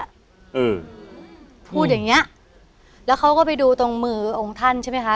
อืมพูดอย่างเงี้ยแล้วเขาก็ไปดูตรงมือองค์ท่านใช่ไหมคะ